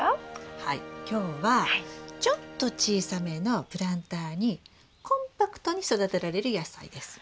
はい今日はちょっと小さめのプランターにコンパクトに育てられる野菜です。